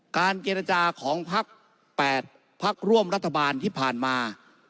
การเจรจาของพัก๘พักร่วมรัฐบาลที่ผ่านมา